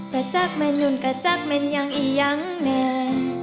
แปลจักรแม่นยุ่นกะจักรแม่นยังอียังแม่